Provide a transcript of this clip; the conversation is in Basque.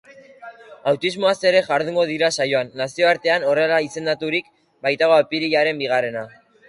Autismoaz ere jardungo dira saioan, nazioartean horrela izendaturik baitago apirilaren bigarrena.